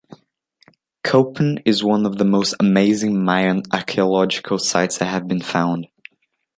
Copan is one of the most amazing Mayan archaeological sites that have been found.